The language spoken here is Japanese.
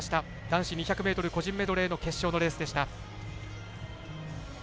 男子２００ｍ個人メドレー決勝のレースでした。